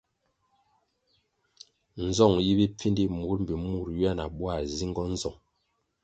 Nzong yi bipfindi, mur mbpi mur ywia na bwar nzingo nzong.